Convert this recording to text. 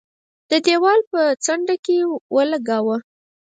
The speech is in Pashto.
د دېوال په څنډه کې ولګاوه.